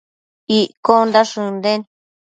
Iccondash ënden